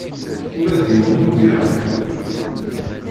Ula d yiwen ur d-yeɣri.